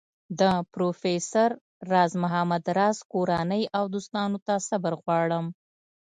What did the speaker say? د پروفیسر راز محمد راز کورنۍ او دوستانو ته صبر غواړم.